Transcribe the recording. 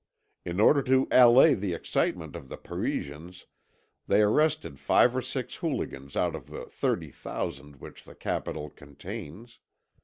In order to allay the excitement of the Parisians, they arrested five or six hooligans out of the thirty thousand which the Capital contains.